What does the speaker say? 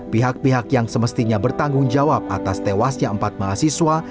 pihak pihak yang semestinya bertanggung jawab atas tewasnya empat mahasiswa